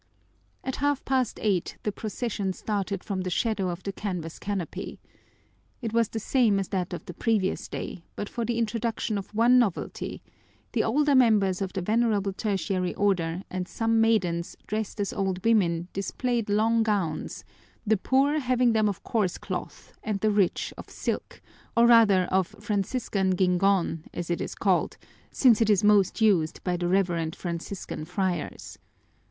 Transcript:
At half past eight the procession started from the shadow of the canvas canopy. It was the same as that of the previous day but for the introduction of one novelty: the older members of the Venerable Tertiary Order and some maidens dressed as old women displayed long gowns, the poor having them of coarse cloth and the rich of silk, or rather of Franciscan guingón, as it is called, since it is most used by the reverend Franciscan friars.